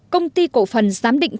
hai công ty cổ phần giám định